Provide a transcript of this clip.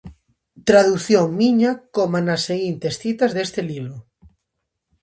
Tradución miña, coma nas seguintes citas deste libro.